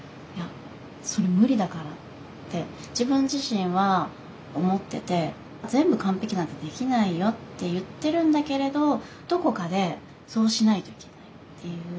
「いやそれ無理だから」って自分自身は思ってて全部完璧なんてできないよって言ってるんだけれどどこかでそうしないといけないっていう。